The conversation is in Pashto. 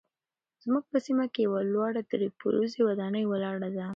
زموږ په سیمه کې یوه لوړه درې پوړیزه ودانۍ ولاړه ده.